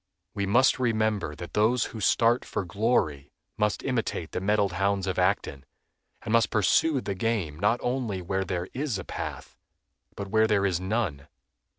We must remember that those who start for glory must imitate the mettled hounds of Acton, and must pursue the game not only where there is a path, but where there is none.